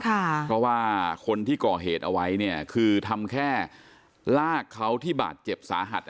เพราะว่าคนที่ก่อเหตุเอาไว้เนี่ยคือทำแค่ลากเขาที่บาดเจ็บสาหัส